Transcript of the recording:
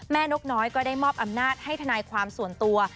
นกน้อยก็ได้มอบอำนาจให้ทนายความส่วนตัว